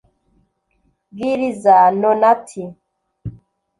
Bwiriza Nonati